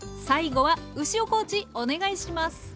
最後は牛尾コーチお願いします！